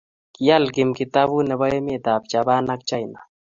Kiaal Kim kitabut nebo emetab Japan ago china